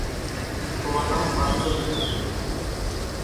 তোমার নাম আঞ্জলি কেন?